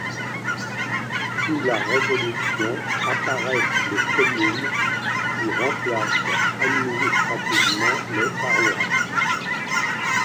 Sous la Révolution apparaissent les communes qui remplacent administrativement les paroisses.